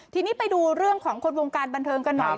ทีนี้ไปดูเรื่องของคนวงการบันเทิงกันหน่อย